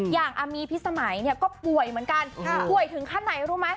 อย่างอามีพี่สมัยก็ป่วยเหมือนกันป่วยถึงข้างในรู้ไหม